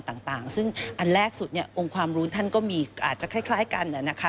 วิทยากรต่างซึ่งแรกสุดองค์ความรู้ท่านก็มีอาจจะคล้ายกันนะคะ